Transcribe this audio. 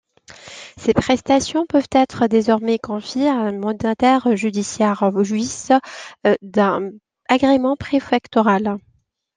Ces prestations peuvent être désormais confiées à un mandataire judiciaire jouissant d'un agrément préfectoral.